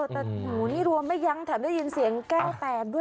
แต่หูนี่รวมไม่ยั้งแถมได้ยินเสียงแก้วแตกด้วย